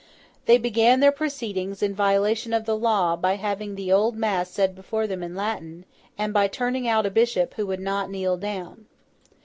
They began their proceedings, in violation of the law, by having the old mass said before them in Latin, and by turning out a bishop who would not kneel down.